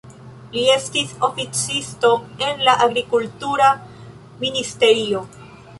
Li estis oficisto en la agrikultura ministerio.